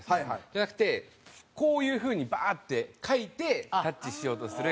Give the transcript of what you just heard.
じゃなくてこういう風にバーッてかいてタッチしようとするヤツがいる。